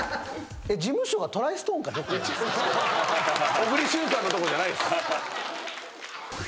小栗旬さんのとこじゃないです！